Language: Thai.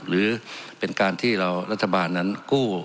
หรือเป็นการที่เรารัฐบาลนั้นกู้